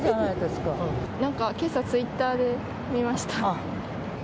なんかけさツイッターで見ました。